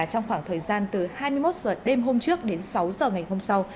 trong khoảng thời gian từ hai mươi một h đêm hôm trước đến sáu h ngày hôm sau